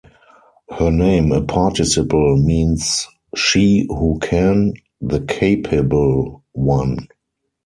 Her name, a participle, means she who can, the capable one.